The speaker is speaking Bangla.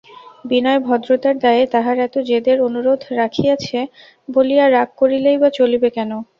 বিনয় ভদ্রতার দায়ে তাহার এত জেদের অনুরোধ রাখিয়াছে বলিয়া রাগ করিলেই বা চলিবে কেন?